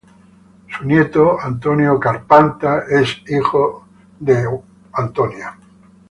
Su nieto Matthew Chapman es hijo de Clare.